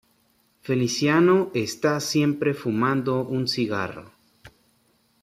Feliciano está siempre fumando un cigarro.